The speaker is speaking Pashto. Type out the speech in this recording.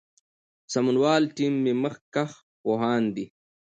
سمونوال ټیم یې مخکښ پوهان دي.